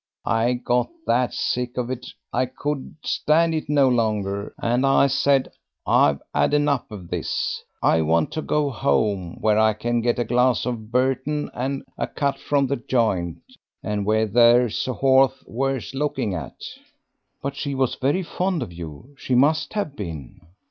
I got that sick of it I could stand it no longer, and I said, 'I've 'ad enough of this. I want to go home, where I can get a glass of Burton and a cut from the joint, and where there's a horse worth looking at.'" "But she was very fond of you. She must have been."